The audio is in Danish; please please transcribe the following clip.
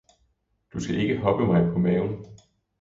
Du skal ikke hoppe mig på maven